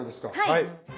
はい。